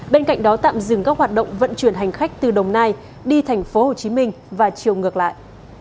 bên cạnh đó tạm dừng các hoạt động vận chuyển hành khách từ đồng nai đi thành phố hồ chí minh và chiều ngược lại